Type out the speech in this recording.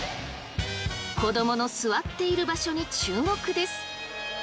子どもの座っている場所に注目です。